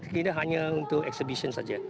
tidak hanya untuk exhibition saja